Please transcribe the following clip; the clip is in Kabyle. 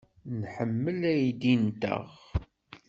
Nḥemmel aydi-nteɣ.